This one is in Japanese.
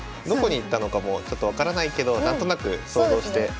どこに行ったのかもちょっと分からないけど何となく想像して。